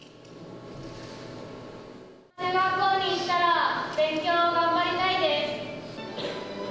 中学校にいったら勉強を頑張りたいです。